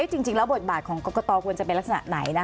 จริงแล้วบทบาทของกรกตควรจะเป็นลักษณะไหน